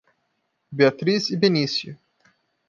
Beatriz e Benício